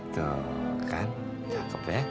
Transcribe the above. tuh kan cakep ya